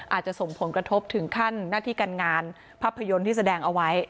อาจจะส่งผลกระทบถึงขั้นหน้าที่การงานภาพยนตร์ที่แสดงเอาไว้